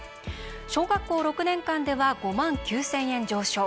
小学校６年間では５万９０００円上昇。